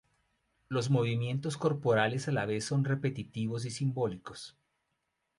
Los movimientos corporales a la vez son repetitivos y simbólicos.